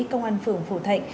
công an phường phổ thạnh